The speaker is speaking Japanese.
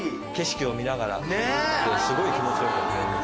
景色を見ながらすごい気持ちよく。